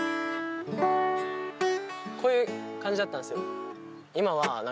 こういう感じだったんですよ。